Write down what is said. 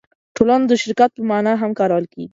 ټولنه د شرکت په مانا هم کارول کېږي.